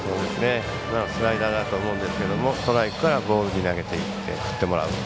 スライダーだと思うんですけどストライクからボールに投げていって振ってもらう。